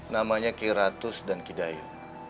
namanya kheratus dan kedayu